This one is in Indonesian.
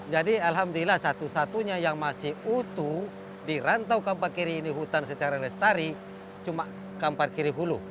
jadi alhamdulillah satu satunya yang masih utuh di rantau pak kampar kiri ini hutan secara restari cuma kampar kiri hulu